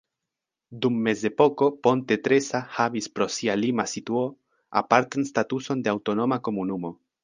Dum mezepoko Ponte Tresa havis pro sia lima situo apartan statuson de aŭtonoma komunumo.